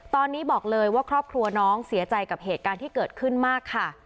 ตอนนี้บอกเลยว่าครอบครัวน้องเสียใจกับเหตุการณ์ที่เกิดขึ้นมากค่ะ